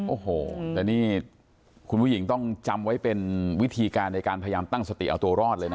โอ้โหแต่นี่คุณผู้หญิงต้องจำไว้เป็นวิธีการในการพยายามตั้งสติเอาตัวรอดเลยนะ